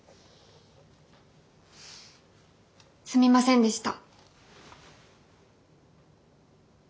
すみませんでした。